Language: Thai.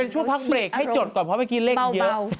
ช่วงพักเบรกให้จดก่อนเพราะเมื่อกี้เลขเยอะ